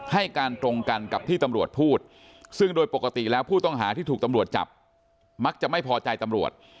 ให้การตรงกันกับที่ตำรวจพูดซึ่งโดยปกติแล้วผู้ต้องหาที่ถูกตำรวจจับมักจะไม่พอใจตำรวจ